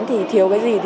thì thiếu cái gì